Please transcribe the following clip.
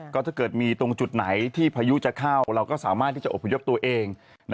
ก็ถ้าเกิดมีตรงจุดไหนที่พายุจะเข้าเราก็สามารถที่จะอบพยพตัวเอง